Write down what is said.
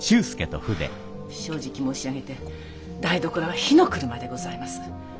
正直申し上げて台所は火の車でございます。